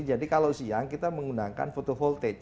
jadi kalau siang kita menggunakan photo voltage